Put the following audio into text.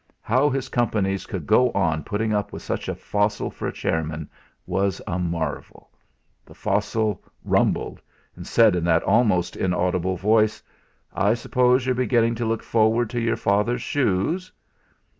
How his Companies could go on putting up with such a fossil for chairman was a marvel! The fossil rumbled and said in that almost inaudible voice: "I suppose you're beginning to look forward to your father's shoes?"